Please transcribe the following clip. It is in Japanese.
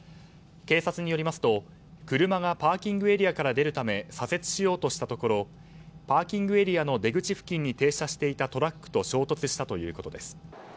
警察によりますと車がパーキングエリアから出るため左折しようとしたところパーキングエリアの出口付近に停車していたトラックと衝突したということです。